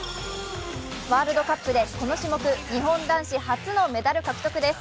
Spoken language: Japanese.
ワールドカップでこの種目日本男子初のメダル獲得です。